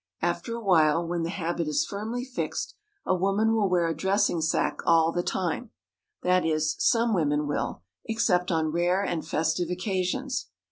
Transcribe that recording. After a while, when the habit is firmly fixed, a woman will wear a dressing sack all the time that is, some women will, except on rare and festive occasions.